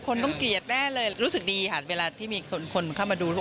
คนต้องเกลียดแน่เลยรู้สึกดีค่ะเวลาที่มีคนเข้ามาดู